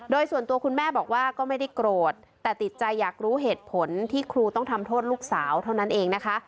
โดยส่วนตัวคุณแม่บอกว่าก็ไม่ได้โกรธแต่ติดใจอยากรู้เหตุผลที่ครูต้องทำโทษลูกสาวเท่านั้นเองนะคะ